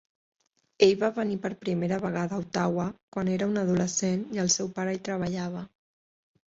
Ell va venir per primera vegada a Ottawa quan era un adolescent i el seu pare hi treballava.